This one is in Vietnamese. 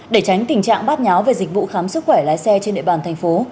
để tránh tình trạng bát nháo về dịch vụ khám sức khỏe lái xe trên địa bàn thành phố